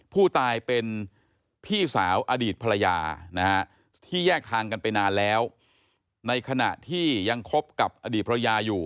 ผู้ตายเป็นพี่สาวอดีตภรรยานะฮะที่แยกทางกันไปนานแล้วในขณะที่ยังคบกับอดีตภรรยาอยู่